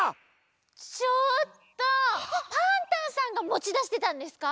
ちょっとパンタンさんがもちだしてたんですか？